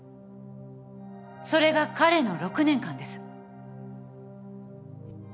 それが彼の６年間です。